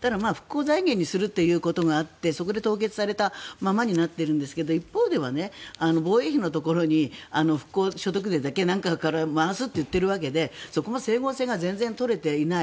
ただ、復興財源にするということがあってそこで凍結されたままになっているんですが一方では、防衛費のところに復興所得税だっけなんかから回すと言っているわけでそこも整合性が全然取れていない。